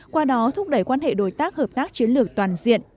qua đó thúc đẩy quan hệ đối tác hợp tác chiến lược toàn diện